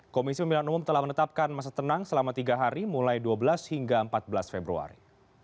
komisi pemilihan umum telah menetapkan masa tenang selama tiga hari mulai dua belas hingga empat belas februari